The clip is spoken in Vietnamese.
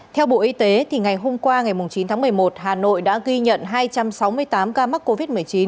theo bộ y tế ngày hôm qua ngày chín tháng một mươi một hà nội đã ghi nhận hai trăm sáu mươi tám ca mắc covid một mươi chín